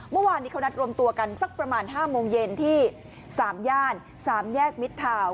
เมื่อวานนี้เขานัดรวมตัวกันสักประมาณ๕โมงเย็นที่๓ย่าน๓แยกมิดทาวน์